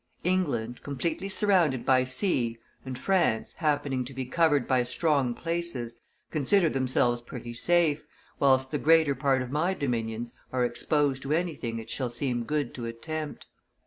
England, completely surrounded by sea, and France, happening to be covered by strong places, consider themselves pretty safe, whilst the greater part of my dominions are exposed to anything it shall seem good to attempt.